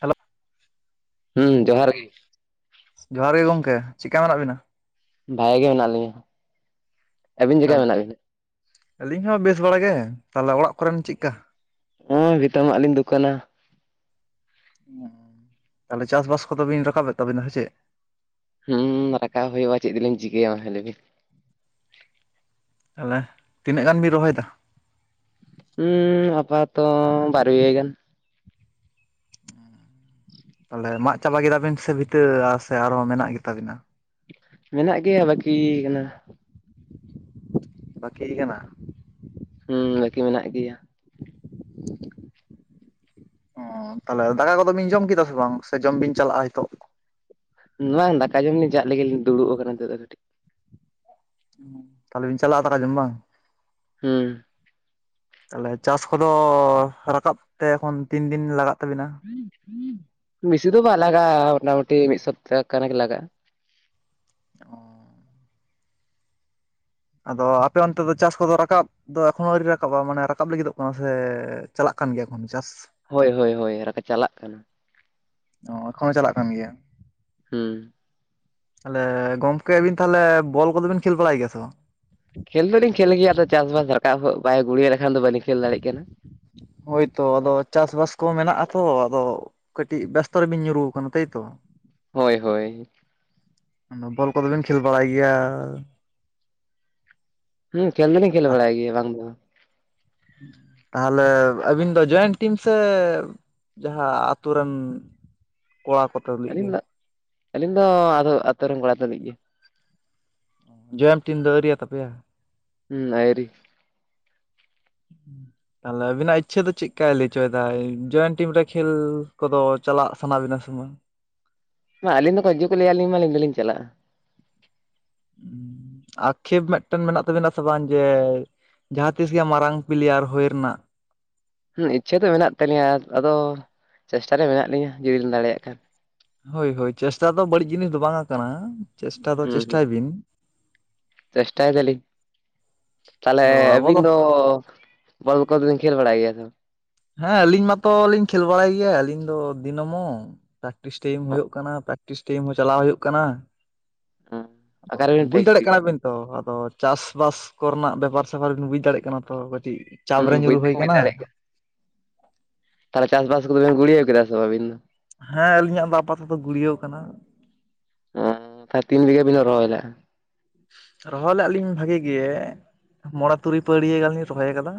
Hello ᱦᱩᱸ ᱡᱚᱦᱟᱨ ᱜᱮ ᱡᱦᱟᱨ ᱜᱮ ᱜᱚᱢᱠᱮ ᱪᱤᱜᱠᱟ ᱢᱮᱱᱟᱜ ᱵᱮᱱᱟ? ᱵᱷᱟᱜᱮ ᱜᱮ ᱢᱮᱱᱟᱜ ᱞᱤᱧᱟ, ᱟᱹᱵᱤᱱ ᱪᱤᱠᱟ ᱛᱟᱦᱚᱞᱮ? ᱢᱮᱱᱟᱜ ᱵᱤᱱᱟ? ᱟᱹᱞᱤᱧ ᱦᱚᱸ ᱵᱮᱥ ᱵᱟᱲᱟ ᱜᱮ, ᱛᱟᱞᱦᱮ ᱚᱲᱟᱜ ᱠᱚᱨᱮᱱ ᱪᱮᱫᱠᱟ? ᱱᱚᱜᱼᱚᱭ ᱵᱷᱤᱛᱟᱹᱢᱟᱜ ᱞᱤᱧ ᱫᱩᱠᱟᱹᱱᱟ ᱛᱟᱞᱦᱮ ᱪᱟᱥᱵᱟᱥ ᱠᱚᱫᱚ ᱵᱤᱱ ᱨᱟᱠᱟᱵᱮᱫ ᱛᱟᱵᱤᱱᱟ ᱥᱮ ᱪᱮᱫ? ᱦᱩᱸ ᱨᱟᱠᱟᱵ ᱦᱳᱭᱳᱜᱼᱟ ᱪᱮᱫ ᱞᱤᱧ ᱪᱤᱠᱟᱹᱭᱟ ᱢᱟᱥᱮ ᱞᱟᱹᱭᱵᱤᱱ ᱛᱟᱦᱚᱞᱮ ᱛᱤᱱᱟᱹᱜ ᱜᱟᱱ ᱵᱤᱱ ᱨᱚᱦᱚᱭᱮᱫᱟ? ᱩᱸᱻ ᱦᱟᱯᱟᱛᱚ ᱵᱟᱨᱭᱟ ᱜᱟᱱ᱾ ᱛᱟᱦᱚᱞᱮ ᱢᱟᱜ ᱪᱟᱵᱟ ᱠᱮᱫᱟ ᱵᱤᱱ ᱥᱮ ᱵᱷᱤᱛᱟᱹ ᱟ ᱥᱮ ᱟᱨᱦᱚᱸ ᱢᱮᱱᱟᱜ ᱜᱮ ᱛᱟᱵᱤᱱᱟ? ᱢᱮᱱᱟᱜ ᱜᱮᱭᱟ ᱵᱟᱹᱠᱤ ᱠᱟᱱᱟ᱾ ᱵᱟᱹᱠᱤᱭ ᱠᱟᱱᱟ? ᱦᱩᱸ ᱵᱟᱹᱠᱤ ᱢᱮᱱᱟᱜ ᱜᱮᱭᱟ᱾ ᱚ ᱛᱟᱦᱚᱞᱮ ᱫᱟᱠᱟ ᱠᱚᱫᱚ ᱵᱤᱱ ᱡᱚᱢ ᱠᱮᱫᱟ ᱥᱮ ᱵᱟᱝ, ᱥᱮ ᱡᱚᱢ ᱵᱤᱱ ᱪᱟᱞᱟᱜᱼᱟ ᱱᱤᱛᱚᱜ? ᱵᱟᱝ ᱫᱟᱠᱟ ᱡᱚᱢ ᱞᱤᱧ ᱪᱟᱜ ᱞᱟᱹᱜᱤᱫ ᱞᱤᱧ ᱫᱩᱲᱩᱵ ᱟᱠᱟᱱᱟ ᱱᱤᱛᱚᱜ ᱫᱚ ᱠᱟᱹᱴᱤᱡ᱾ ᱛᱟᱦᱚᱞᱮ ᱵᱤᱱ ᱪᱟᱞᱟᱜᱼᱟ ᱫᱟᱠᱟ ᱡᱚᱢ ᱵᱟᱝ? ᱦᱩᱸ᱾ ᱛᱟᱦᱚᱞᱮ ᱪᱟᱥ ᱠᱚᱫᱚ ᱨᱟᱠᱟᱵ ᱛᱮ ᱮᱠᱷᱚᱱ ᱛᱤᱱ ᱫᱤᱱ ᱞᱟᱜᱟᱜ ᱛᱟᱵᱤᱱᱟ? ᱵᱤᱥᱤ ᱫᱚ ᱵᱟᱭ ᱞᱟᱜᱟᱜᱼᱟ ᱢᱚᱴᱟᱢᱩᱴᱤ ᱢᱤᱫ ᱥᱟᱯᱛᱟᱦᱚ ᱠᱷᱟᱱᱮ ᱜᱮ ᱞᱟᱜᱟᱜᱼᱟ᱾ ᱚᱸᱻ᱾ ᱟᱫᱚ ᱟᱯᱮ ᱚᱱᱛᱮ ᱫᱚ ᱪᱟᱥ ᱠᱚᱫᱚ ᱨᱟᱠᱟᱵ ᱫᱚ ᱮᱠᱷᱚᱱᱚ ᱟᱹᱣᱨᱤ ᱨᱟᱠᱟᱵᱟ ᱢᱟᱱᱮ ᱨᱟᱠᱟᱵ ᱞᱟᱹᱜᱤᱫᱚᱜ ᱠᱟᱱᱟ ᱥᱮ ᱪᱟᱞᱟᱜ ᱠᱟᱱ ᱜᱮᱭᱟ ᱮᱠᱷᱚᱱ ᱪᱟᱥ? ᱦᱳᱭ ᱦᱳᱭ ᱦᱳᱭ ᱨᱟᱠᱟ ᱪᱟᱞᱟᱜ ᱠᱟᱱᱟ᱾ ᱚ ᱮᱠᱷᱚᱱ ᱦᱚᱸ ᱪᱟᱞᱟᱜ ᱠᱟᱱ ᱜᱮᱭᱟ? ᱦᱩᱸ᱾ ᱛᱟᱦᱚᱞᱮ ᱜᱚᱝᱠᱮ ᱟᱵᱤᱱ ᱛᱟᱦᱚᱞᱮ ᱵᱚᱞ ᱠᱚᱫᱚ ᱵᱤᱱ ᱠᱷᱮᱞ ᱵᱟᱲᱟᱭ ᱜᱮᱭᱟ ᱥᱮ ᱵᱟᱝ? ᱠᱷᱮᱞ ᱫᱚᱞᱤᱧ ᱠᱷᱮᱞ ᱜᱮᱭᱟ ᱟᱫᱚ ᱪᱟᱥᱵᱟᱥ ᱨᱟᱠᱟᱵ ᱦᱳᱜ ᱵᱟᱭ ᱜᱩᱲᱭᱟᱹ ᱞᱮᱠᱷᱟᱱ ᱫᱚ ᱵᱟᱞᱤᱧ ᱠᱷᱮᱞ ᱫᱟᱲᱭᱟᱜ ᱠᱟᱱᱟ᱾ ᱦᱳᱭᱛᱚ ᱟᱫᱚ ᱪᱟᱥᱵᱟᱥ ᱠᱚ ᱢᱮᱱᱟᱜ ᱟᱛᱚ ᱟᱫᱚ ᱠᱟᱹᱴᱤᱡ ᱵᱮᱥᱛᱚ ᱨᱮᱵᱤᱱ ᱧᱩᱨᱩ ᱟᱠᱟᱱᱟ ᱛᱟᱭᱛᱚ᱾ ᱦᱳᱭ ᱦᱳᱭ᱾ ᱵᱚᱞ ᱠᱚᱫᱚ ᱵᱤᱱ ᱠᱷᱮᱞ ᱵᱟᱲᱟᱭ ᱜᱮᱭᱟ? ᱦᱩᱸ ᱠᱷᱮᱞ ᱫᱚᱞᱤᱧ ᱠᱷᱮᱞ ᱵᱟᱲᱟᱭ ᱜᱮᱭᱟ ᱵᱟᱝ ᱫᱚ ᱵᱟᱝ᱾ ᱛᱟᱦᱚᱞᱮ ᱟᱹᱵᱤᱱ ᱫᱚ ᱡᱚᱭᱮᱱᱴ ᱴᱤᱢ ᱥᱮ ᱡᱟᱦᱟᱸ ᱟᱛᱳ ᱨᱮᱱ, ᱠᱚᱲᱟ ᱠᱚ ᱟᱹᱞᱤᱧ ᱫᱚ, ᱟᱹᱞᱤᱧ ᱫᱚ ᱟᱫᱚ ᱟᱛᱩ ᱨᱤᱱ ᱠᱚᱲᱟ ᱛᱩᱞᱩᱡ ᱜᱮ᱾ ᱡᱚᱭᱮᱱᱴ ᱴᱤᱢ ᱫᱚ ᱟᱹᱣᱨᱤᱭᱟ ᱛᱟᱯᱮᱭᱟ? ᱦᱩᱸ ᱟᱭᱨᱤ᱾ [inaudible] ᱛᱟᱦᱚᱞᱮ ᱟᱵᱤᱱᱟᱜ ᱤᱪᱪᱷᱟᱹ ᱫᱚ ᱪᱮᱫᱠᱟᱭ ᱞᱟᱹᱭ ᱦᱚᱪᱚᱭᱮᱫᱟᱭ, ᱡᱚᱭᱮᱱ ᱴᱤᱢ ᱨᱮ ᱠᱷᱮᱞ ᱠᱚᱫᱚ ᱪᱟᱞᱟᱜ ᱥᱟᱱᱟ ᱵᱤᱱᱟ ᱥᱮ ᱵᱟᱝ? ᱢᱟ ᱟᱹᱞᱤᱧ ᱫᱚᱠᱚ ᱦᱤᱡᱩᱜ ᱠᱚ ᱞᱟᱹᱭᱟᱞᱤᱧ ᱢᱟ ᱟᱹᱞᱤᱧ ᱫᱚᱞᱤᱧ ᱪᱟᱞᱟᱜᱼᱟ᱾ ᱟᱠᱷᱮᱯ ᱢᱤᱫᱴᱮᱱ ᱢᱮᱱᱟᱜ ᱛᱟᱵᱤᱱᱟ ᱥᱮ ᱵᱟᱝ ᱡᱮ ᱡᱟᱦᱟᱸ ᱛᱤᱥ ᱜᱮ ᱢᱟᱨᱟᱝ ᱯᱞᱤᱭᱟᱨ ᱦᱩᱭ ᱨᱮᱱᱟᱜ? ᱦᱩᱸ ᱤᱪᱪᱷᱟᱹ ᱫᱚ ᱢᱮᱱᱟᱜ ᱛᱟᱹᱞᱧᱟᱹ ᱟᱫᱚ, ᱪᱮᱥᱴᱟ ᱨᱮ ᱢᱮᱱᱟᱜ ᱞᱤᱧᱟᱹ ᱡᱩᱫᱤ ᱞᱤᱧ ᱫᱟᱲᱮᱭᱟᱜ ᱠᱷᱟᱱ᱾ ᱦᱳᱭ ᱦᱳᱭ ᱪᱮᱥᱴᱟ ᱫᱚ ᱵᱟᱹᱲᱤᱡ ᱡᱤᱱᱤᱥ ᱫᱚ ᱵᱟᱝᱟ ᱠᱟᱱᱟ᱾ ᱪᱮᱥᱴᱟ ᱫᱚ ᱦᱩᱸ ᱪᱮᱥᱴᱟᱭ ᱦᱩᱸ, ᱵᱤᱱ ᱪᱮᱥᱴᱟᱭ ᱫᱟᱞᱤᱧ᱾ ᱛᱟᱦᱚᱞᱮ ᱟᱫᱚ ᱟᱵᱚ ᱟᱹᱵᱤᱱ ᱫᱚ, ᱵᱚᱞ ᱠᱚᱫᱚ ᱵᱤᱱ ᱠᱷᱮᱞ ᱵᱟᱲᱟᱭ ᱜᱮᱭᱟ ᱥᱮ ᱵᱟᱝ? ᱦᱮᱸ ᱟᱞᱤᱧ ᱢᱟᱛᱚᱞᱤᱧ ᱠᱷᱮᱞ ᱵᱟᱲᱟᱭ ᱜᱮᱭᱟ ᱟᱞᱤᱧ ᱫᱚ ᱫᱤᱱᱚᱢᱚ ᱯᱨᱮᱠᱴᱤᱥ ᱴᱟᱭᱤᱢ ᱦᱩᱭᱩᱜ ᱠᱟᱱᱟ ᱯᱨᱮᱠ ᱴᱤᱥ ᱴᱟᱭᱤᱢ ᱦᱚᱸ ᱪᱟᱞᱟᱣ ᱦᱩᱭᱩᱜ ᱠᱟᱱᱟ᱾ ᱦᱩᱸ ᱟᱫᱚ ᱚᱠᱟᱨᱮᱵᱤᱱ ᱵᱩᱡᱽ ᱫᱟᱲᱮᱭᱟᱜ ᱯᱨᱮᱠᱴᱤᱥ ᱠᱟᱱᱟ ᱵᱤᱱ ᱛᱚ ᱟᱫᱚ ᱪᱟᱥ ᱵᱟᱥ ᱠᱚ ᱨᱮᱱᱟᱜ ᱵᱮᱯᱟᱨ ᱥᱮᱯᱟᱨ ᱵᱤᱱ ᱵᱩᱡᱽ ᱫᱟᱲᱮᱭᱟᱜ ᱠᱟᱱᱟ ᱛᱚ ᱠᱟᱹᱴᱤᱡ ᱪᱟᱯ ᱦᱩᱸ ᱨᱮ ᱵᱩᱡᱽ ᱧᱩᱨᱩ ᱦᱩᱭ ᱫᱚᱞᱤᱧ ᱵᱩᱡᱽ ᱠᱟᱱᱟ, ᱫᱟᱲᱮᱭᱟᱜ ᱛᱟᱦᱚᱞᱮ ᱪᱟᱥ ᱵᱟᱥ ᱠᱚᱫᱚ ᱵᱮᱱ ᱜᱩᱲᱣᱟᱹᱣ ᱠᱮᱫᱟ ᱥᱮ ᱵᱟᱝ ᱟᱵᱤᱱ ᱫᱚ? ᱦᱮᱸ ᱟᱹᱞᱤᱧᱟᱜ ᱫᱚ ᱟᱯᱟᱛᱚᱛᱚ ᱜᱩᱲᱤᱭᱟᱹᱣ ᱠᱟᱱᱟ᱾ ᱮᱸ ᱠᱷᱟᱡ ᱛᱤᱱ ᱵᱤᱜᱷᱟᱹ ᱵᱤᱱ ᱨᱚᱦᱚᱭ ᱞᱟᱜ-ᱟ? ᱨᱚᱦᱚᱭ ᱞᱟᱜ-ᱟ ᱞᱤᱧ ᱵᱷᱟᱜᱤ ᱜᱮ, ᱢᱚᱲᱮ ᱛᱩᱨᱩᱭ ᱯᱟᱹᱲᱭᱟᱹ ᱜᱟᱱ ᱞᱤᱧ ᱨᱚᱦᱚᱭ ᱠᱟᱫᱟ᱾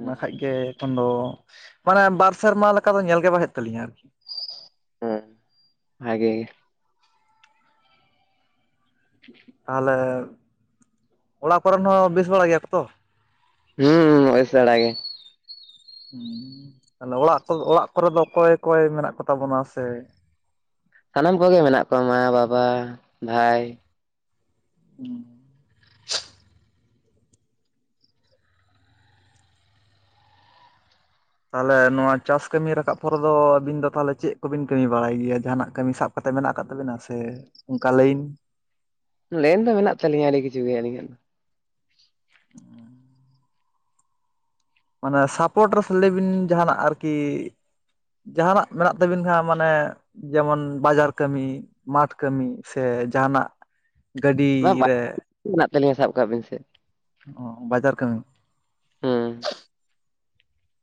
ᱚᱱᱟ ᱠᱷᱟᱡ ᱜᱮ ᱮᱠᱷᱚᱱ ᱫᱚ ᱢᱟᱱᱮ ᱵᱟᱨ ᱥᱮᱨᱢᱟ ᱞᱮᱠᱟ ᱫᱚ ᱧᱮᱞ ᱜᱮ ᱵᱟ ᱦᱩᱭᱩᱜ ᱛᱟᱞᱤᱧᱟ ᱟᱨᱠᱤ᱾ ᱦᱩᱸ ᱵᱷᱟᱜᱮ ᱜᱮ [inaudible] ᱛᱟᱦᱞᱮ ᱚᱲᱟᱜ ᱠᱚᱨᱮᱱ ᱦᱚᱸ ᱵᱮᱥ ᱵᱟᱲᱟ ᱜᱮᱭᱟ ᱠᱚᱛᱚ? ᱦᱩᱸ ᱚᱭᱥᱟᱲᱟ ᱜᱮ ᱦᱩᱸ ᱛᱟᱦᱞᱮ ᱚᱲᱟᱜ ᱠᱚ ᱚᱲᱟᱜ ᱠᱚᱨᱮ ᱫᱚ ᱚᱠᱚᱭ ᱚᱠᱚᱭ ᱢᱮᱱᱟᱜ ᱠᱚᱛᱟ ᱵᱚᱱᱟ? ᱥᱮ ᱥᱟᱱᱟᱢ ᱠᱚᱜᱮ ᱢᱮᱱᱟᱜ ᱠᱚ ᱢᱟ, ᱵᱟᱵᱟ ᱵᱷᱟᱭ ᱦᱩᱸ ᱛᱟᱦᱞᱮ ᱱᱚᱣᱟ ᱪᱟᱥ ᱠᱟᱹᱢᱤ ᱨᱟᱠᱟᱵ ᱯᱚᱨᱮ ᱫᱚ ᱟᱹᱵᱤᱱ ᱫᱚ ᱛᱟᱦᱞᱮ ᱪᱮᱜ ᱠᱚᱵᱤᱱ ᱠᱟᱹᱢᱤ ᱵᱟᱲᱟᱭ ᱜᱮᱭᱟ? ᱡᱟᱦᱟᱱᱟᱜ ᱠᱟᱹᱢᱤ ᱥᱟᱵ ᱠᱟᱛᱮᱜ ᱢᱮᱱᱟᱜ ᱟᱠᱟᱫ ᱛᱟᱵᱤᱱᱟ ᱥᱮ ᱚᱱᱠᱟ ᱞᱟᱹᱭᱤᱱ ᱞᱮᱭᱤᱱ ᱫᱚ ᱢᱮᱱᱟᱜ ᱛᱟᱞᱤᱧᱟ ᱟᱹᱰᱤ ᱠᱤᱪᱷᱩ ᱜᱮ ᱟᱹᱞᱤᱧᱟᱜ ᱫᱚ᱾ ᱢᱟᱱᱮ ᱥᱟᱯᱚᱴ ᱨᱮ ᱥᱮᱞᱟᱹᱭ ᱵᱤᱱ ᱡᱟᱦᱟᱱᱟᱜ ᱟᱨᱠᱤ ᱡᱟᱦᱟᱱᱟᱜ ᱢᱮᱱᱟᱜ ᱛᱟᱹᱵᱤᱱ ᱠᱷᱟᱸ ᱢᱟᱱᱮ ᱡᱮᱢᱚᱱ ᱵᱟᱡᱟᱨ ᱠᱟᱹᱢᱤ, ᱢᱟᱴ ᱠᱟᱹᱢᱤ ᱥᱮ ᱡᱟᱦᱟᱱᱟᱜ ᱢᱟ ᱜᱟᱹᱰᱤ ᱵᱟᱭ ᱨᱮ ᱢᱮᱱᱟᱜ ᱛᱟᱹᱞᱤᱧᱟ ᱥᱟᱵ ᱠᱟᱜ ᱵᱮᱱ ᱥᱮ᱾ ᱚ ᱵᱟᱡᱟᱨ ᱠᱟᱹᱢᱤ᱾ ᱦᱩᱸ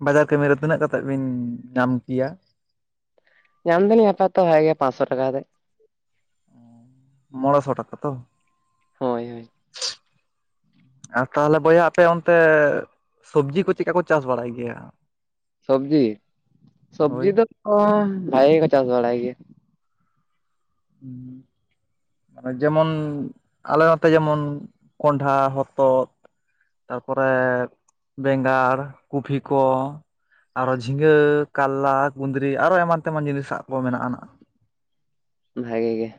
ᱵᱟᱡᱟᱨ ᱠᱟᱹᱢᱤ ᱨᱮ ᱛᱤᱱᱟᱹᱜ ᱠᱟᱛᱮᱜ ᱵᱤᱱ ᱧᱟᱢ ᱠᱤᱭᱟ? ᱧᱟᱢ ᱫᱟᱞᱤᱧ ᱟᱯᱟᱛ ᱛᱚ ᱵᱷᱟᱜᱤ ᱜᱮ ᱯᱟᱸᱫᱥᱚ ᱴᱟᱠᱟ ᱠᱟᱛᱮ᱾ ᱢᱚᱲᱮ ᱥᱚ ᱴᱟᱠᱟ ᱛᱚ? ᱦᱳᱭ ᱦᱳᱭ [inaudible] ᱟᱨ ᱛᱟᱦᱚᱞᱮ ᱵᱚᱭᱦᱟ ᱟᱯᱮ ᱚᱱᱛᱮ ᱥᱚᱵᱡᱤ ᱠᱚ ᱪᱮᱫᱠᱟ ᱠᱚ ᱪᱟᱥ ᱵᱟᱲᱟᱭ ᱜᱮᱭᱟ? ᱥᱚᱵᱡᱤ ᱦᱳᱭ ᱥᱚᱵᱡᱤ ᱫᱚ ᱠᱚᱱ ᱵᱷᱟᱜᱮ ᱠᱚ ᱪᱟᱥ ᱵᱟᱲᱟᱭ ᱜᱮᱭᱟ᱾ ᱦᱩᱸ ᱢᱟᱱᱮ ᱡᱮᱢᱚᱱ ᱟᱞᱮ ᱱᱚᱛᱮ ᱡᱮᱢᱚᱱ ᱠᱚᱸᱰᱷᱟ, ᱦᱚᱛᱚᱫ, ᱛᱟᱨᱯᱚᱨᱮ ᱵᱮᱸᱜᱟᱲ ᱠᱩᱯᱷᱤ ᱠᱚ ᱟᱨᱚ ᱡᱷᱤᱝᱜᱟᱹ ᱠᱟᱞᱞᱟ ᱠᱩᱸᱫᱽᱨᱤ ᱟᱨᱚ ᱮᱢᱟᱱ ᱛᱮᱢᱟᱱ ᱡᱤᱱᱤᱥ ᱟᱜ ᱠᱚ ᱢᱮᱱᱟᱜ-ᱟ ᱱᱟᱜ᱾ ᱵᱷᱟᱜᱮ ᱜᱮ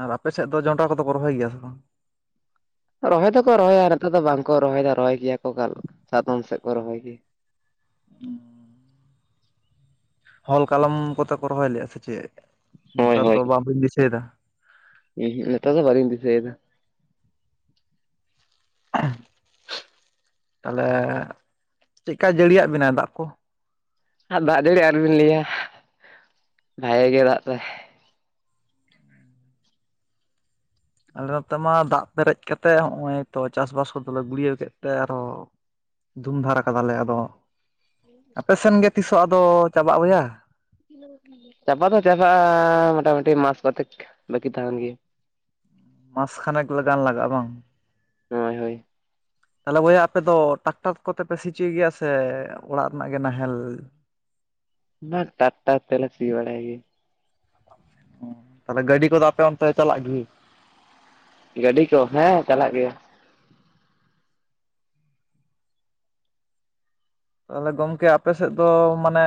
ᱟᱨ ᱟᱯᱮ ᱥᱮᱜ ᱫᱚ ᱡᱚᱸᱱᱰᱨᱟ ᱠᱚᱫᱚ ᱠᱚ ᱨᱚᱦᱚᱭ ᱜᱮᱭᱟ ᱥᱮ ᱵᱟᱝ? ᱨᱚᱦᱚᱭ ᱫᱚᱠᱚ ᱨᱚᱦᱚᱭᱟ ᱱᱮᱛᱟᱨ ᱫᱚ ᱵᱟᱝᱠᱚ ᱨᱚᱦᱚᱭ ᱫᱟ ᱨᱚᱦᱚᱭ ᱜᱮᱭᱟ ᱠᱚ ᱠᱟᱞ ᱥᱟᱛᱚᱢ ᱥᱮᱫ ᱠᱚ ᱨᱚᱦᱚᱭ ᱜᱮᱭᱟ᱾ ᱚᱸ ᱦᱚᱞ ᱠᱟᱞᱚᱢ ᱠᱚᱛᱮ ᱠᱚ ᱨᱚᱦᱚᱭ ᱞᱮᱜ-ᱟ ᱥᱮ ᱪᱮᱫ ᱦᱳᱭ ᱱᱮᱛᱟᱨ ᱫᱚ ᱵᱟᱢ ᱵᱤᱱ ᱫᱤᱥᱟᱹᱭ ᱫᱟ? ᱦ ᱱᱮᱛᱟ ᱫᱚ ᱵᱟᱞᱤᱧ ᱫᱤᱥᱟᱭ ᱫᱟ᱾ ᱛᱟᱞᱮ ᱪᱮᱜ ᱠᱟᱭ ᱡᱟᱹᱲᱤᱭᱟᱜ ᱵᱮᱱᱟ ᱫᱟᱜ ᱠᱚ? ᱟᱨ ᱫᱟᱜ ᱡᱟᱹᱲᱤ ᱟᱞᱚᱵᱤᱱ ᱞᱟᱹᱭᱟ ᱵᱷᱟᱜᱮ ᱜᱮ ᱫᱟᱜ ᱫᱟᱭ᱾ ᱟᱞᱮ ᱱᱚᱛᱮ ᱢᱟ ᱫᱟᱜ ᱯᱮᱨᱮᱡ ᱠᱟᱛᱮᱜ ᱦᱚᱜ-ᱚᱭ ᱛᱚ ᱪᱟᱥᱵᱟᱥ ᱠᱚᱫᱚᱞᱮ ᱜᱩᱲᱭᱟᱹᱣ ᱠᱮᱫ ᱛᱮ ᱟᱨᱚ ᱫᱷᱩᱢ ᱫᱷᱟᱨ ᱠᱟᱫᱟ ᱞᱮ, ᱟᱫᱚ ᱟᱯᱮᱥᱮᱱ ᱜᱮ ᱛᱤᱥᱚᱜ ᱟᱫᱚ ᱪᱟᱵᱟᱜ-ᱟ ᱵᱚᱭᱟ? [unintelligible] ᱪᱟᱵᱟ ᱫᱚ ᱪᱟᱵᱟᱜ-ᱟ ᱢᱚᱴᱟᱢᱩᱴᱤ ᱢᱟᱥ ᱠᱚᱛᱮᱠ ᱵᱟᱹᱠᱤ ᱛᱟᱸᱦᱮᱱ ᱜᱮᱭᱟ᱾ ᱢᱟᱥ ᱠᱷᱟᱱᱮᱠ ᱞᱟ ᱜᱟᱱ ᱞᱟᱜᱟ-ᱟ ᱵᱟᱝ? ᱦᱳᱭ ᱦᱳᱭ ᱛᱟᱦᱚᱞᱮ ᱵᱚᱭᱦᱟ ᱟᱯᱮ ᱫᱚ ᱴᱟᱠᱴᱟᱨ ᱠᱚᱛᱮ ᱯᱮ ᱥᱤᱪᱚᱭ ᱜᱮᱭᱟ ᱥᱮ ᱚᱲᱟᱜ ᱨᱮᱱᱟᱜ ᱜᱮ ᱱᱟᱦᱮᱞ? ᱚᱱᱟ ᱴᱟᱠᱨᱴᱟᱨ ᱛᱮ ᱞᱮ ᱥᱤ ᱵᱟᱲᱟᱭ ᱜᱮᱭᱟ᱾ ᱛᱟᱦᱞᱮ ᱜᱟᱹᱰᱤ ᱠᱚᱫᱚ ᱟᱯᱮ ᱚᱱᱛᱮ ᱪᱟᱞᱟᱜ ᱜᱮ? ᱜᱟᱹᱰᱤ ᱠᱚ ᱦᱮᱸ ᱪᱟᱞᱟᱜ ᱜᱮᱭᱟ᱾ ᱛᱟᱦᱚᱞᱮ ᱜᱚᱝᱠᱮ ᱟᱯᱮ ᱥᱮᱫ ᱫᱚ ᱢᱟᱱᱮ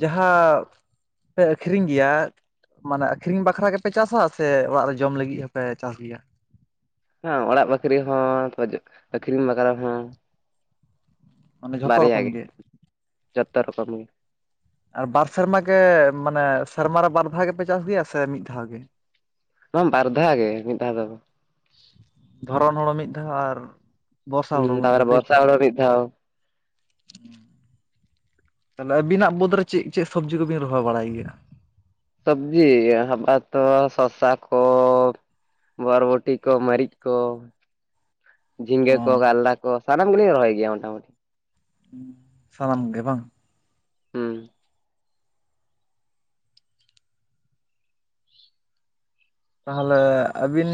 ᱡᱟᱦᱟᱸᱼᱼ ᱯᱮ ᱟᱹᱠᱷᱨᱤᱧ ᱜᱮᱭᱟ, ᱢᱟᱱᱮ ᱟᱠᱷᱨᱤᱧ ᱵᱟᱠᱷᱨᱟ ᱜᱮᱯᱮ ᱪᱟᱥᱟ ᱥᱮ ᱚᱲᱟᱜ ᱨᱮ ᱡᱚᱢ ᱞᱟᱹᱜᱤᱫ ᱦᱚᱸᱯᱮ ᱪᱟᱥ ᱜᱮᱭᱟ? ᱦᱮ ᱚᱲᱟᱜ ᱵᱟᱠᱷᱨᱤ ᱦᱚᱸ ᱛᱟ ᱟᱹᱠᱷᱨᱤᱧ ᱵᱟᱠᱷᱨᱟ ᱦᱚᱸ᱾ ᱢᱟᱱᱮ ᱡᱷᱚᱛᱚ ᱵᱟᱨᱭᱟ ᱨᱚᱠᱚᱢ ᱜᱮ ᱡᱷᱚᱛᱚ ᱨᱚᱠᱚᱢ ᱜᱮ᱾ ᱟᱨ ᱵᱟᱨ ᱥᱮᱨᱢᱟ ᱜᱮ ᱢᱟᱱᱮ ᱥᱮᱨᱢᱟᱨᱮ ᱵᱟᱨ ᱫᱷᱟᱣ ᱜᱮᱯᱮ ᱪᱟᱥ ᱜᱮᱭᱟ ᱥᱮ ᱢᱤᱫ ᱫᱷᱟᱣ ᱜᱮ? ᱵᱟᱝ ᱵᱟᱨ ᱫᱷᱟᱣ ᱜᱮ ᱢᱤᱫ ᱫᱷᱟᱣ ᱫᱚ ᱵᱟᱝ ᱾ ᱫᱷᱚᱨᱚᱱ ᱦᱳᱲᱳ ᱢᱤᱫ ᱫᱷᱟᱣ ᱟᱨ ᱵᱚᱨᱥᱟ ᱦᱳᱲᱳ ᱢᱤᱫ ᱫᱷᱟᱣ ᱛᱟᱭᱛᱚ? ᱦᱳᱭ ᱢᱤᱫ ᱫᱷᱟᱣ᱾ ᱛᱟᱦᱞᱮ ᱟᱵᱤᱱᱟᱜ ᱵᱟᱹᱫᱽ ᱨᱮ ᱪᱮᱫ ᱪᱮᱫ ᱥᱚᱵᱡᱤ ᱠᱚᱵᱤᱱ ᱨᱚᱦᱚᱭ ᱵᱟᱲᱟᱭ ᱜᱮᱭᱟ? ᱥᱚᱵᱽᱡᱤ ᱦᱟᱵᱟ ᱛᱚ ᱥᱚᱥᱟ ᱠᱚ, ᱵᱚᱨᱵᱚᱴᱤ ᱠᱚ ᱢᱟᱹᱨᱤᱪ ᱠᱚ, ᱡᱷᱤᱸᱜᱟᱹ ᱠᱚ ᱚ ᱠᱟᱨᱞᱟ ᱠᱚ ᱥᱟᱱᱟᱢ ᱜᱮᱞᱤᱧ ᱨᱚᱦᱚᱭ ᱜᱮᱭᱟ ᱢᱚᱴᱟ ᱢᱩᱴᱤ᱾ ᱥᱟᱱᱟᱢ ᱜᱮ ᱵᱟᱝ, ᱦᱩᱸ ᱛᱟᱦᱚᱞᱮ ᱟᱹᱵᱤᱱ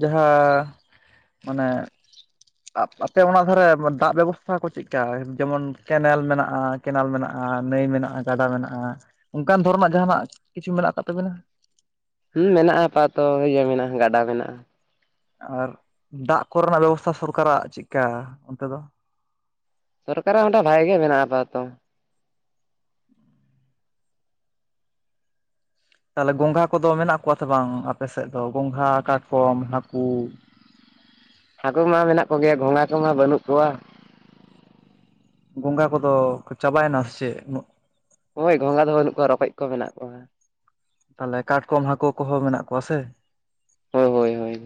ᱡᱟᱦᱟᱸ ᱢᱟᱱᱮ᱾ ᱟᱯᱮ ᱚᱱᱟ ᱫᱷᱟᱨᱮ ᱫᱟᱜ ᱵᱮᱵᱚᱥᱛᱷᱟ ᱠᱚ ᱪᱮᱫᱞᱮᱠᱟ ᱡᱮᱢᱚᱱ ᱠᱮᱱᱮᱞ ᱢᱮᱱᱟᱜᱼᱟ᱾ ᱠᱮᱱᱮᱞ ᱢᱮᱱᱟᱜᱼᱟ ᱱᱟᱹᱭ ᱢᱮᱱᱟᱜᱼᱟ ᱜᱟᱰᱟ ᱢᱮᱱᱟᱜᱼᱟ ᱚᱱᱠᱟᱱ ᱫᱷᱚᱨᱚᱱᱟᱜ ᱡᱟᱦᱱᱟᱜ ᱠᱤᱪᱷᱩ ᱢᱮᱱᱟᱜ ᱟᱠᱟᱫ ᱛᱟᱵᱮᱱᱟ᱾ ᱦᱮᱸ ᱢᱮᱱᱟᱜᱼᱟ ᱯᱟᱛᱚ ᱤᱭᱟᱹ ᱢᱮᱱᱟᱜᱼᱟ ᱜᱟᱰᱟ ᱢᱮᱱᱟᱜᱼᱟ᱾ ᱟᱨ ᱫᱟᱜ ᱠᱚᱨᱮᱱᱟᱜ ᱵᱮᱵᱚᱥᱛᱷᱟ ᱥᱚᱨᱠᱟᱨᱟᱜ ᱪᱮᱫᱠᱟ ᱚᱱᱛᱮ ᱫᱚ? ᱥᱚᱨᱠᱟᱨᱟᱜ ᱚᱸᱰᱮ ᱵᱷᱟᱜᱤ ᱜᱮ ᱢᱮᱱᱟᱜ ᱟᱯᱟ ᱛᱚᱛᱚ᱾ ᱛᱟᱦᱚᱞᱮ ᱜᱚᱜᱷᱟ ᱠᱚᱫᱚ ᱢᱮᱱᱟᱜ ᱠᱚᱣᱟ ᱥᱮ ᱵᱟᱝ ᱟᱯᱮᱥᱮᱫ ᱫᱚ ᱜᱚᱝᱜᱷᱟ ᱠᱟᱴᱠᱚᱢ ᱦᱟᱹᱠᱩ, ᱦᱟᱹᱠᱩ ᱢᱟ ᱢᱮᱱᱟᱜ ᱠᱚᱜᱮᱭᱟ ᱜᱚᱸᱜᱷᱟ ᱠᱚᱢᱟ ᱵᱟᱹᱱᱩᱜ ᱠᱚᱣᱟ᱾ ᱜᱚᱸᱜᱟ ᱠᱚᱫᱚ ᱠᱚ ᱪᱟᱵᱟᱭᱮᱱᱟ ᱥᱮ ᱪᱮᱫ ᱩᱱᱟᱹᱜᱼᱼ ᱦᱳᱭ ᱜᱚᱸᱜᱷᱟ ᱫᱚ ᱵᱟᱹᱱᱩᱜ ᱠᱚᱣᱟ ᱨᱚᱠᱚᱡ ᱠᱚ ᱢᱮᱱᱟᱜ ᱠᱚᱣᱟ᱾ ᱛᱟᱦᱚᱞᱮ ᱠᱟᱴᱠᱚᱢ ᱦᱟᱹᱠᱩ ᱠᱚᱦᱚᱸ ᱢᱮᱱᱟᱜ ᱠᱚᱣᱟ ᱥᱮ? ᱦᱳᱭ ᱦᱳᱭ ᱦᱳᱭ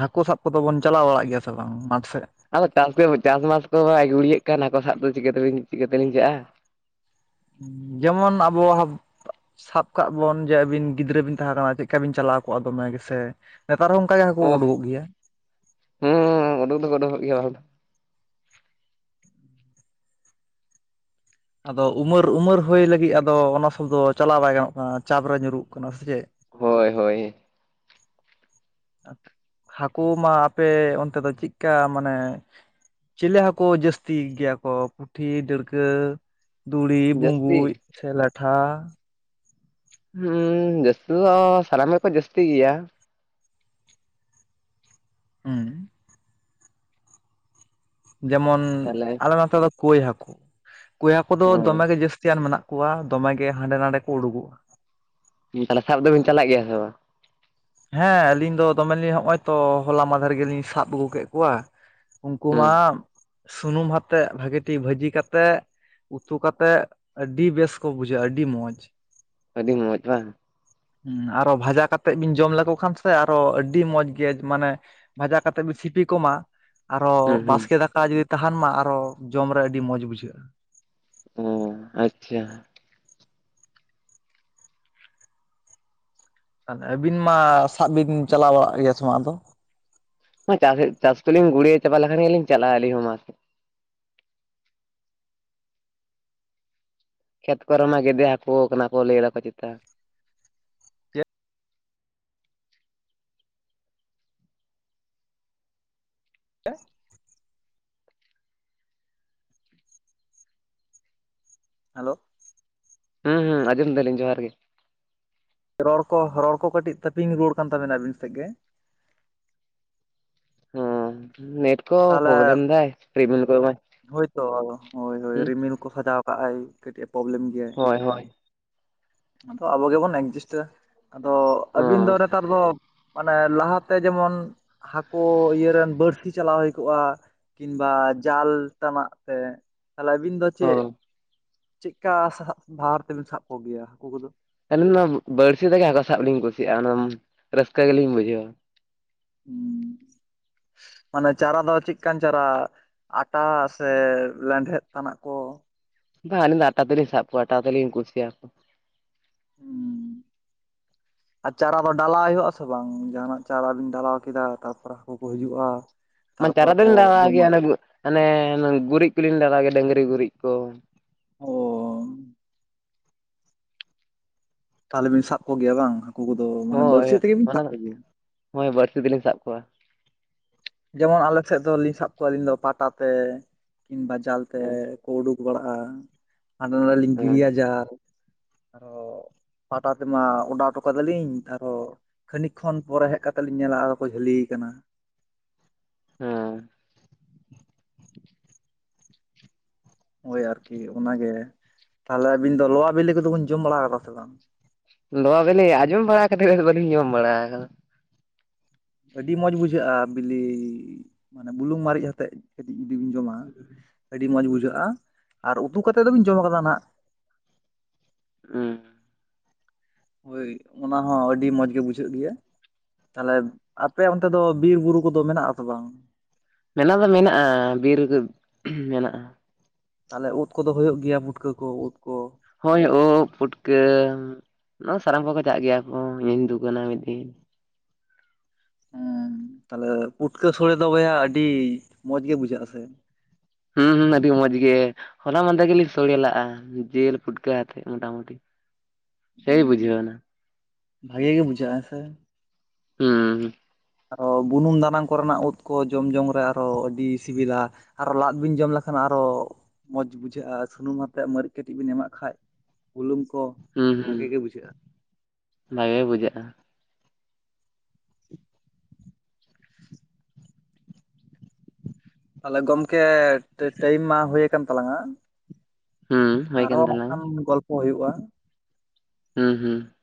ᱦᱟᱹᱠᱳ ᱥᱟᱵ ᱠᱚᱫᱚ ᱵᱚᱱ ᱪᱟᱞᱟᱣ ᱵᱟᱲᱟᱜ ᱜᱮᱭᱟ ᱥᱮ ᱵᱟᱝ ᱢᱟᱴᱷ ᱥᱮᱫ? ᱟᱫᱚ ᱪᱟᱥ ᱪᱟᱥᱵᱟᱥ ᱠᱚ ᱵᱟᱭ ᱜᱩᱲᱤᱭᱮᱫ ᱠᱟᱱ ᱦᱟᱹᱠᱳ ᱥᱟᱵ ᱫᱚ ᱪᱤᱠᱟᱹᱛᱮᱞᱤ ᱪᱤᱠᱟᱹᱛᱮᱞᱤᱧ ᱪᱟᱜᱼᱟ᱾ ᱡᱮᱢᱚᱱ ᱟᱵᱚᱼᱼ ᱥᱟᱵ ᱠᱟᱜ ᱵᱚᱱ ᱡᱮ ᱟᱹᱵᱤᱱ ᱜᱤᱫᱽᱨᱟᱹ ᱵᱤᱱ ᱛᱟᱦᱮᱸ ᱠᱟᱱᱟ ᱪᱮᱫᱠᱟ ᱵᱤᱱ ᱪᱟᱞᱟᱣ ᱠᱚᱜᱼᱟ ᱫᱚᱢᱮ ᱜᱮᱥᱮᱼᱼ ᱱᱮᱛᱟᱨ ᱦᱚᱸ ᱚᱱᱠᱟ ᱜᱮ ᱦᱟᱹᱠᱩ ᱠᱚ ᱚᱦ ᱩᱰᱩᱠᱚᱜ ᱜᱮᱭᱟ᱾ ᱦᱩᱸ ᱩᱰᱩᱠ ᱫᱚᱠᱚ ᱩᱰᱩᱜᱚᱜ ᱜᱮᱭᱟ ᱦᱟᱠᱩ᱾ ᱟᱫᱚ ᱩᱢᱟᱹᱨ ᱩᱢᱟᱹᱨ ᱦᱩᱭ ᱞᱟᱹᱜᱤᱫ ᱟᱫᱚ ᱚᱱᱟ ᱥᱚᱵᱫᱚ ᱪᱟᱞᱟᱣ ᱵᱟᱭ ᱜᱟᱱᱚᱜ ᱠᱟᱱᱟ ᱪᱟᱯ ᱨᱮ ᱧᱩᱨᱩᱜ ᱠᱟᱱᱟ ᱥᱮ ᱪᱮᱫ? ᱦᱳᱭ ᱦᱳᱭ᱾ ᱦᱟᱹᱠᱳ ᱢᱟ ᱟᱯᱮ ᱚᱱᱛᱮ ᱫᱚ ᱪᱮᱫᱠᱟ ᱢᱟᱱᱮᱼᱼ ᱪᱮᱞᱮ ᱦᱟᱸᱠᱳ ᱡᱟᱹᱥᱛᱤ ᱜᱮᱭᱟ ᱠᱚ ᱯᱩᱴᱷᱤ ᱰᱟᱹᱲᱠᱟᱹᱼᱼ ᱫᱩᱲᱤ ᱡᱟᱹᱥᱛᱤ ᱵᱩᱵᱩᱡ ᱥᱮ ᱞᱟᱴᱷᱟ, ᱦᱩᱸ ᱡᱟᱹᱥᱛᱤ ᱫᱚ ᱥᱟᱱᱟᱢ ᱜᱮᱠᱚ ᱡᱟᱹᱥᱛᱤ ᱜᱮᱭᱟ᱾ ᱦᱩᱸ ᱡᱮᱢᱚᱱ ᱛᱟᱦᱞᱮ ᱟᱞᱮ ᱱᱚᱛᱮ ᱫᱚ ᱠᱚᱭ ᱦᱟᱹᱠᱳ ᱠᱚᱭ ᱦᱟᱹᱠ ᱫᱚ ᱫᱚᱢᱮ ᱦᱩᱸ ᱜᱮ ᱡᱟᱹᱥᱛᱤᱭᱟᱱ ᱢᱮᱱᱟᱜ ᱠᱚᱣᱟ᱾ ᱠᱚᱣᱟ ᱫᱚᱢᱮ ᱜᱮ ᱦᱟᱸᱰᱮ ᱱᱟᱰᱮ ᱠᱚ ᱩᱰᱩᱠᱚᱜᱼᱟ᱾ ᱛᱟᱦᱚᱞᱮ ᱥᱟᱵ ᱫᱚᱵᱤᱱ ᱪᱟᱞᱟᱜ ᱜᱮᱭᱟ ᱥᱮ ᱵᱟᱝ? ᱦᱮᱸ ᱟᱹᱞᱤᱧ ᱫᱚ ᱫᱚᱢᱮᱞᱤᱧ ᱦᱚᱜᱼᱚᱭ ᱛᱚ ᱦᱚᱞᱟ ᱢᱟᱫᱷᱮᱨ ᱜᱮᱞᱤᱧ ᱥᱟᱵ ᱟᱹᱜᱩ ᱠᱮᱫ ᱠᱚᱣᱟ᱾ ᱩᱱᱠᱩ ᱦᱩᱸ ᱢᱟ ᱥᱩᱱᱩᱢ ᱟᱛᱮᱜ ᱵᱷᱟᱹᱜᱤ ᱴᱷᱤᱠ ᱵᱷᱟᱹᱡᱤ ᱠᱟᱛᱮᱜ ᱩᱛᱩ ᱠᱟᱛᱮᱫ ᱟᱹᱰᱤ ᱵᱮᱥ ᱠᱚ ᱵᱩᱡᱷᱟᱹᱜᱼᱟ ᱟᱹᱰᱤ ᱢᱚᱡᱽ᱾ ᱟᱹᱰᱤ ᱢᱚᱡᱽ ᱵᱟᱝ᱾ ᱦᱩᱸ ᱟᱨᱚ ᱵᱷᱟᱡᱟ ᱠᱟᱛᱮᱜ ᱵᱤᱱ ᱡᱚᱢ ᱞᱮᱠᱚ ᱠᱷᱟᱱ ᱥᱮ ᱟᱨᱚ ᱟᱹᱰᱤ ᱢᱚᱡᱽ ᱜᱮ ᱢᱟᱱᱮ ᱵᱷᱟᱡᱟ ᱠᱟᱛᱮᱫ ᱵᱤᱱ ᱥᱤᱯᱤ ᱠᱚᱢᱟ᱾ ᱟᱨᱚ ᱦᱩᱸ ᱦᱩᱸ ᱵᱟᱥᱠᱮ ᱫᱟᱠᱟ ᱡᱩᱫᱤ ᱛᱟᱦᱮᱱ ᱢᱟ ᱟᱨᱚ ᱡᱚᱢ ᱨᱮ ᱟᱹᱰᱤ ᱢᱚᱸᱡᱽ ᱵᱩᱡᱷᱟᱹᱜᱼᱟ᱾ ᱚ ᱟᱪᱪᱷᱟ ᱛᱟᱦᱚᱞᱮ ᱟᱹᱵᱤᱱ ᱢᱟ ᱥᱟᱵ ᱵᱤᱱ ᱪᱟᱞᱟᱣ ᱵᱟᱲᱟᱜ ᱜᱮᱭᱟ ᱥᱮ ᱵᱟᱝ ᱟᱫᱚ? ᱪᱟᱥ ᱪᱟᱥ ᱠᱚᱞᱤᱧ ᱜᱩᱲᱤᱭᱟᱹ ᱪᱟᱵᱟ ᱞᱮᱠᱷᱟᱱ ᱜᱮᱞᱤᱧ ᱪᱟᱞᱟᱜᱼᱟ ᱟᱹᱞᱤᱧ ᱦᱚᱸ ᱢᱟᱥᱮ᱾ ᱠᱷᱮᱛ ᱠᱚᱨᱮ ᱢᱟ ᱜᱮᱫᱮ ᱦᱟᱹᱠᱩ ᱠᱟᱱᱟ ᱠᱚ ᱞᱟᱹᱭ ᱫᱟᱠᱚ ᱪᱮᱛᱟ᱾ ᱪᱮᱫ ᱦᱮᱞᱳ ᱦᱩᱸ ᱦᱩᱸ ᱟᱡᱚᱢ ᱫᱟᱞᱤᱧ ᱡᱚᱦᱟᱨ ᱜᱮ᱾ ᱨᱚᱲ ᱠᱚ ᱨᱚᱲ ᱠᱚ ᱠᱟᱹᱴᱤᱡ ᱛᱟᱹᱯᱤᱧ ᱨᱩᱣᱟᱹᱲ ᱠᱟᱱ ᱛᱟᱵᱤᱱᱟ ᱟᱹᱵᱤᱱ ᱥᱮᱫ ᱜᱮ᱾ ᱦ ᱱᱮᱮᱴ ᱠᱚ ᱛᱟᱦᱚᱞᱮ ᱯᱨᱚᱵᱞᱮᱢ ᱫᱟᱭ ᱦᱳᱭᱛᱚ ᱦᱳᱭ [unintelligible] ᱦ [unintelligible] ᱠᱟᱜ ᱟᱭ ᱠᱟᱹᱴᱤᱡ ᱯᱨᱚᱵᱞᱮᱢ ᱜᱮᱭᱟᱭ ᱦᱳᱭ ᱦᱳᱭ ᱟᱫᱚ ᱟᱵᱚ ᱜᱮᱵᱚᱱ ᱮᱠᱡᱤᱥᱴᱟ ᱟᱫᱚ ᱟᱹᱵᱤᱱ ᱫᱚ ᱦᱚᱸ ᱱᱮᱛᱟᱨ ᱫᱚ ᱢᱟᱱᱮ ᱞᱟᱦᱟᱛᱮ ᱡᱮᱢᱚᱱ ᱦᱟᱹᱠᱩ ᱤᱭᱟᱹᱨᱮᱱ ᱵᱟᱹᱲᱥᱤ ᱪᱟᱞᱟᱣ ᱦᱩᱭ ᱠᱚᱼᱟ ᱠᱤᱢᱵᱟ ᱡᱟᱞ ᱛᱟᱱᱟᱜ ᱛᱮ ᱛᱟᱦᱚᱞᱮ ᱟᱹᱵᱤᱱ ᱫᱚ ᱪᱮᱫ ᱦᱚᱸ ᱪᱮᱫᱠᱟ ᱥᱟᱵ ᱵᱷᱟᱨ ᱛᱮᱵᱮᱱ ᱥᱟᱵ ᱠᱚᱜᱮᱭᱟ ᱦᱟᱹᱠᱩ ᱠᱚᱫᱚ? ᱟᱹᱞᱤᱧ ᱚᱱᱟ ᱵᱟᱹᱲᱥᱤ ᱛᱮᱜᱮ ᱦᱟᱹᱠᱩ ᱥᱟᱵ ᱞᱤᱧ ᱠᱩᱥᱤᱭᱟᱜᱼᱟ, ᱚᱱᱟ ᱨᱟᱹᱥᱠᱟᱹ ᱜᱮᱞᱤᱧ ᱵᱩᱡᱷᱟᱹᱣᱟ᱾ ᱦ ᱢᱟᱱᱮ ᱪᱟᱨᱟ ᱫᱚ ᱪᱮᱫᱠᱟᱱ ᱪᱟᱨᱟ᱾ ᱟᱴᱟ ᱥᱮ ᱞᱮᱸᱰᱮᱫ ᱛᱟᱱᱟᱜ ᱠᱚ᱾ ᱵᱟᱝ ᱟᱹᱞᱤᱧ ᱫᱚ ᱟᱴᱟ ᱛᱮᱞᱤᱧ ᱥᱟᱵ ᱠᱚᱣᱟ ᱟᱴᱟ ᱛᱮᱞᱤᱧ ᱠᱩᱥᱤᱭᱟᱠᱚ᱾ ᱟᱨ ᱪᱟᱨᱟ ᱫᱚ ᱰᱞᱟᱟᱭ ᱦᱩᱭᱩᱜ ᱟᱥ ᱥᱮ ᱵᱟᱝ ᱡᱟᱦᱟᱱᱟᱜ ᱪᱟᱨᱟ ᱵᱤᱱ ᱫᱟᱞᱟᱣ ᱠᱮᱫᱟ, ᱛᱟᱯᱚᱨᱮ ᱦᱟᱹᱠᱩ ᱠᱚ ᱦᱤᱡᱩᱜᱼᱟ᱾ ᱢ ᱛᱟᱨᱯᱚᱨᱮ ᱪᱟᱨᱟ ᱠᱚ ᱫᱚᱞᱤᱧ ᱰᱟᱨᱟᱣ ᱡᱚᱢᱟ ᱜᱮᱭᱟ ᱚᱱᱮ ᱜᱩᱨᱤᱡ ᱠᱚᱞᱤᱧ ᱰᱟᱨᱟ ᱜᱮᱭᱟ ᱰᱟᱹᱝᱨᱤ ᱜᱩᱨᱤᱡ ᱠᱚ᱾ ᱚ ᱛᱟᱦᱚᱞᱮ ᱵᱤᱱ ᱥᱟᱵ ᱠᱚᱜᱮᱭᱟ ᱵᱟᱝ ᱦᱟᱹᱠᱩ ᱠᱚᱫᱚ ᱢᱟᱱᱮ ᱦᱳᱭ ᱵᱟᱹᱲᱥᱤ ᱛᱮᱜᱮ ᱵᱤᱱ ᱚᱱᱟ ᱥᱟᱵ ᱠᱚᱜᱮᱭᱟ᱾ ᱦᱳᱭ ᱵᱟᱹᱲᱥᱤ ᱛᱮᱞᱤᱧ ᱥᱟᱵ ᱠᱚᱣᱟ᱾ ᱡᱮᱢᱚᱱ ᱟᱞᱮ ᱥᱮᱫ ᱫᱚᱞᱤᱧ ᱥᱟᱵ ᱠᱚᱣᱟ ᱟᱹᱞᱤᱧ ᱫᱚ ᱯᱟᱴᱟ ᱛᱮ ᱠᱤᱝᱵᱟᱡᱟᱞ ᱛᱮ᱾ ᱦᱮᱸ ᱠᱚ ᱩᱰᱩᱠ ᱵᱟᱲᱟᱜᱼᱟ᱾ ᱦᱟᱸᱰᱮ ᱱᱟᱰᱮ ᱞᱤᱧ ᱦᱮᱸ ᱜᱤᱤᱨᱤᱭᱟ ᱡᱟᱞ ᱟᱨᱚ ᱯᱟᱦᱴᱟ ᱛᱮᱢᱟ ᱚᱰᱟᱭ‌ ᱦᱚᱴᱚ ᱠᱟᱫᱟᱞᱤᱧ ᱟᱨᱚ ᱠᱷᱟᱹᱱᱤᱠ ᱠᱷᱚᱱ ᱯᱚᱨᱮ ᱦᱮᱡ ᱠᱟᱛᱮ ᱞᱤᱧ ᱧᱮᱞᱟ ᱟᱫᱚ ᱠᱚ ᱡᱷᱟᱹᱞᱤ ᱟᱠᱟᱱᱟ᱾ ᱦᱮᱸ ᱦᱳᱭ ᱟᱨᱠᱤ ᱚᱱᱟᱜᱮ ᱛᱟᱦᱚᱞᱮ ᱟᱵᱤᱱ ᱫᱚ ᱞᱚᱣᱟ ᱵᱤᱞᱤ ᱠᱚᱫᱚ ᱵᱤᱱ ᱡᱚᱢ ᱵᱟᱲᱟ ᱠᱟᱫᱟ ᱥᱮ ᱵᱟᱝ? ᱞᱚᱣᱟ ᱵᱤᱞᱤ ᱟᱸᱡᱚᱢ ᱵᱟᱲᱟ ᱟᱡᱳᱢ ᱵᱟᱲᱟ ᱠᱟᱛᱮᱫ ᱜᱮ ᱵᱟᱞᱤᱧ ᱡᱚᱢ ᱵᱟᱲᱟ ᱟᱠᱟᱫᱟ᱾ ᱟᱹᱰᱤ ᱢᱚᱸᱡᱽ ᱵᱩᱡᱷᱟᱹᱜᱼᱟ ᱵᱤᱞᱤ ᱢᱟᱱᱮ ᱵᱩᱞᱩᱝ ᱢᱤᱡ ᱟᱛᱮᱮᱫ ᱠᱟᱹᱴᱤᱡ ᱡᱤᱫᱤᱵᱤᱱ ᱡᱚᱢᱟ᱾ ᱟᱹᱰᱤ ᱢᱚᱸᱡᱽ ᱵᱩᱡᱷᱟᱹᱜᱼᱟ᱾ ᱟᱨ ᱩᱛᱩ ᱠᱟᱛᱮᱫ ᱫᱚᱵᱤᱱ ᱡᱚᱢᱟ ᱠᱟᱫᱟ ᱱᱟᱦᱟᱜ᱾ [inaudible] ᱦᱳᱭ ᱚᱱᱟ ᱦᱚᱸ ᱟᱹᱰᱤ ᱢᱚᱸᱡᱽ ᱜᱮ ᱵᱩᱡᱷᱟᱹᱜ ᱜᱮᱭᱟ᱾ ᱛᱟᱦᱚᱞᱮ ᱟᱯᱮ ᱚᱱᱛᱮ ᱫᱚ ᱵᱤᱨ ᱵᱩᱨᱩ ᱠᱚᱫᱚ ᱢᱮᱱᱟᱜ ᱟᱥᱮ ᱵᱟᱝ? ᱢᱮᱱᱟᱜ ᱫᱚ ᱢᱮᱱᱟᱜᱼᱟ, ᱵᱤᱨ ᱨᱮ ᱢᱮᱱᱟᱜᱼᱟ᱾ ᱛᱟᱦᱚᱞᱮ ᱩᱫ ᱠᱚᱫᱚ ᱦᱩᱭᱩᱜ ᱜᱮᱭᱟ ᱯᱩᱴᱠᱟᱹ ᱠᱚ ᱩᱫ ᱠᱚ᱾ ᱦᱳᱭ ᱳᱵ ᱯᱩᱴᱠᱟᱹ ᱱᱚᱣᱟ ᱥᱟᱱᱟᱢ ᱠᱚᱜᱮ ᱪᱟᱜ ᱜᱮᱭᱟ ᱠᱚ ᱤᱧ ᱫᱩᱠᱟᱱᱟ ᱢᱤᱫ ᱫᱤᱱ ᱦᱮᱸ ᱛᱟᱦᱚᱞᱮ ᱯᱩᱴᱠᱟᱹ ᱥᱚᱲᱮ ᱫᱚ ᱵᱚᱭᱦᱟ ᱟᱹᱰᱤ ᱢᱚᱸᱡᱽ ᱜᱮ ᱵᱩᱡᱷᱟᱹᱜ-ᱟ ᱥᱮ ᱦᱩᱸ ᱦᱩᱸ ᱟᱹᱰᱤ ᱢᱚᱡᱽ ᱜᱮ ᱦᱚᱞᱟ ᱢᱟᱸᱫᱮᱨ ᱜᱮᱞᱤᱧ ᱥᱳᱲᱮ ᱞᱟᱜ-ᱟ ᱡᱤᱞ ᱯᱷᱩᱴᱠᱟᱹ ᱟᱛᱮᱫ ᱢᱚᱴᱟᱢᱩᱴᱤ ᱥᱮᱭ ᱦᱩᱸ ᱵᱩᱡᱷᱟᱹᱣᱱᱟ ᱵᱷᱟᱜᱮ ᱜᱮ ᱵᱩᱡᱷᱟᱹᱜ-ᱟ ᱥᱮ ᱦᱩᱸ ᱟᱨᱚ ᱵᱩᱱᱩᱢ ᱫᱟᱱᱟᱝ ᱠᱚᱨᱮᱱᱟᱜ ᱩᱫ ᱠᱚ ᱡᱚᱢ ᱡᱚᱝ ᱨᱮ ᱟᱨᱚ ᱟᱹᱰᱤ ᱥᱤᱵᱤᱞ ᱟ ᱟᱨᱚ ᱞᱟᱫ ᱵᱤᱱ ᱡᱚᱢ ᱞᱮᱠᱷᱟᱱ ᱟᱨᱚ ᱢᱚᱡᱽ ᱵᱩᱡᱷᱟᱹᱜ-ᱟ ᱥᱩᱱᱩᱢ ᱟᱛᱮᱫ ᱢᱟᱨᱤᱪ ᱠᱟᱹᱴᱤᱡ ᱵᱤᱱ ᱮᱢᱟᱜ ᱠᱷᱟᱱ ᱵᱩᱞᱩᱝ ᱦᱩᱸ ᱦᱩᱸ ᱵᱩᱡᱷᱟᱹᱜᱼᱟ ᱵᱷᱟᱜᱮ ᱵᱩᱡᱷᱟᱹᱜ-ᱟ᱾ ᱛᱟᱦᱚᱞᱮ ᱜᱚᱢᱠᱮ ᱴᱟᱭᱤᱢ ᱢᱟ ᱦᱩᱭᱠᱟᱱ ᱛᱟᱞᱟᱝ ᱟ ᱦᱩᱸ ᱦᱩᱭ ᱟᱨᱦᱚ ᱠᱟᱱ ᱛᱟᱞᱟᱝᱟ ᱠᱷᱟᱱ ᱜᱚᱞᱯᱚ ᱦᱩᱭᱩᱜ-ᱟ᱾ ᱦᱩᱸ ᱦᱩᱸ